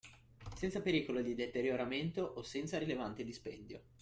Senza pericolo di deterioramento o senza rilevante dispendio.